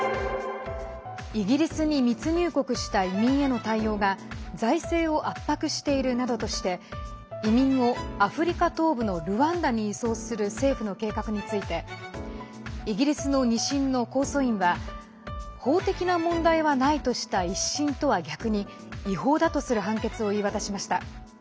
イギリスに密入国した移民への対応が財政を圧迫しているなどとして移民をアフリカ東部のルワンダに移送する政府の計画についてイギリスの２審の控訴院は法的な問題はないとした１審とは逆に違法だとする判決を言い渡しました。